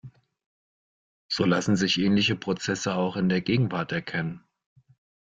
So lassen sich ähnliche Prozesse auch in der Gegenwart erkennen.